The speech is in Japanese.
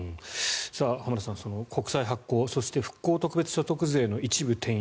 浜田さん、国債発行そして復興特別所得税の一部転用